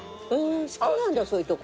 好きなんだそういうとこ。